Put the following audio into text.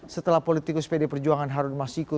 setelah politikus pd perjuangan harun masiku